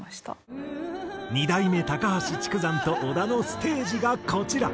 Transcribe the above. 二代目高橋竹山と小田のステージがこちら。